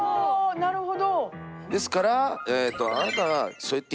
なるほど。